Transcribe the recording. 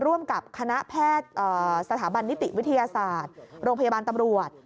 ร่วมกับคณะแพทย์สถาบันนิติวิทยาศาสตร์โรงพยาบาลตำรวจ